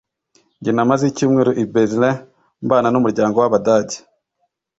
Njye namaze icyumweru i Berlin mbana n'umuryango w'Abadage.